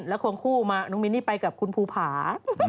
แล้วควงคู่มาน้องมิ้นนี่ไปกับคุณภูผา